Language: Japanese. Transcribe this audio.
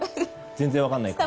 全然分からないか。